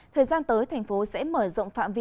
thời gian tới thành phố sẽ mở rộng phạm vi